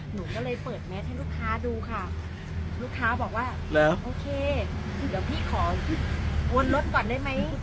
หนูก็เลยเปิดแมสให้ลูกค้าดูค่ะลูกค้าบอกว่าโอเคเดี๋ยวพี่ขอวนรถก่อนได้ไหม